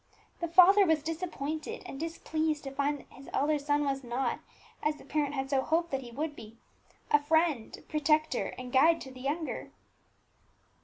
The father was disappointed and displeased to find that his elder son was not, as the parent had so hoped that he would be, a friend, protector, and guide to the younger.